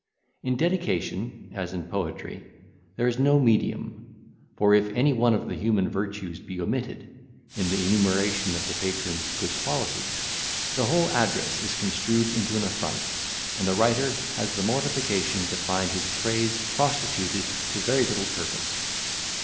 In dedication, as in poetry, there is no medium; for, if any one of the human virtues be omitted in the enumeration of the patron's good qualities, the whole address is construed into an affront, and the writer has the mortification to find his praise prostituted to very little purpose.